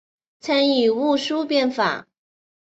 参与戊戌变法。